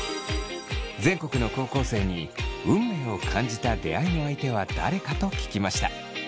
全国の高校生に運命を感じた出会いの相手は誰かと聞きました。